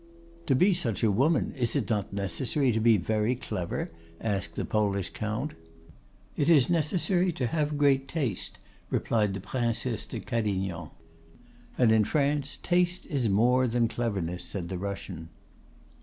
"To be such a woman, is it not necessary to be very clever?" asked the Polish Count. "It is necessary to have great taste," replied the Princesse de Cadignan. "And in France taste is more than cleverness," said the Russian.